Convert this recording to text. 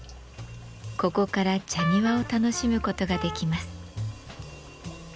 ここから茶庭を楽しむことができます。